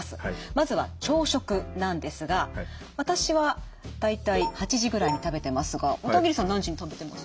まずは朝食なんですが私は大体８時くらいに食べてますが小田切さん何時に食べてます？